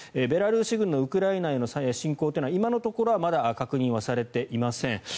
ベラルーシ軍のウクライナへの侵攻というのは今のところはまだ確認されていません。